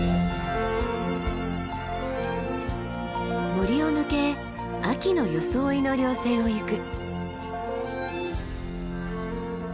森を抜け秋の装いの稜線を行く。